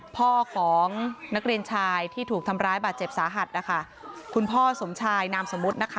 พ่อของนักเรียนชายที่ถูกทำร้ายบาดเจ็บสาหัสนะคะคุณพ่อสมชายนามสมมุตินะคะ